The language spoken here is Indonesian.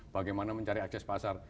bagaimana mencari akses pasar